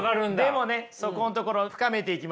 でもねそこんところ深めていきましょうよ。